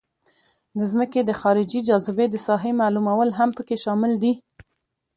د ځمکې د خارجي جاذبې د ساحې معلومول هم پکې شامل دي